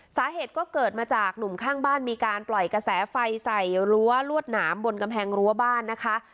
สาเหตุก็เกิดมาจากหนุ่มข้างบ้านมีการปล่อยกระแสไฟใส่รั้วลวดหนามบนกำแพงรั้วบ้านนะคะ